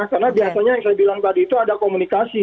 karena biasanya yang saya bilang tadi itu ada komunikasi